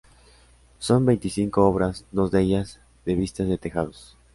Son veinticinco obras, dos de ellas de vistas de tejados.